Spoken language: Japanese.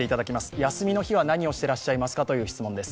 休みの日は何をしてらっしゃいますかという質問です。